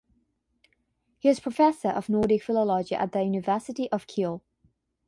He was Professor of Nordic philology at the University of Kiel.